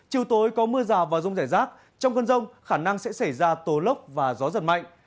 chiều tối có mưa rào và rông rải rác trong cơn rông khả năng sẽ xảy ra tố lốc và gió giật mạnh